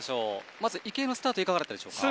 まず池江のスタートはいかがでしょうか？